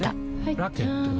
ラケットは？